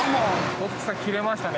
大槻さん切れましたね